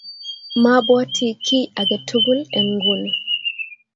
mobwoti kiy age tugul eng nguni